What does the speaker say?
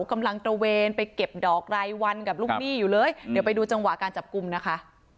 กำลังตระเวนไปเก็บดอกรายวันกับลูกหนี้อยู่เลยเดี๋ยวไปดูจังหวะการจับกลุ่มนะคะ